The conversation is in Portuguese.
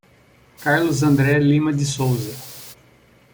Carlos André Lima de Sousa